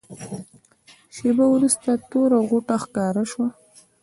شېبه وروسته توره غوټه ښکاره شوه.